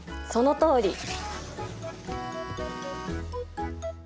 そのとおり！